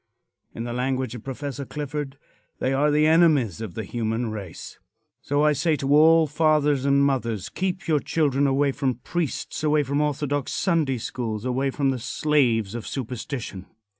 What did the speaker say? In the language of Prof. Clifford, "they are the enemies of the human race." So I say to all fathers and mothers, keep your children away from priests; away from orthodox Sunday schools; away from the slaves of superstition.